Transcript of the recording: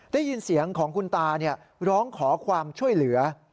ได้ยินเสียงของคุณตาร้องขอความช่วยเหลือ